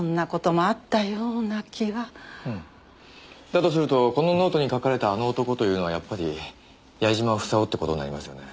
だとするとこのノートに書かれた「あの男」というのはやっぱり矢嶋房夫という事になりますよね？